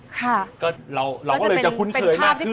ค่ะก็เราก็เลยจะคุ้นเคยมากขึ้น